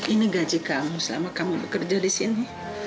ini gaji kamu selama kamu bekerja disini